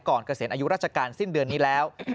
เกษียณอายุราชการสิ้นเดือนนี้แล้ว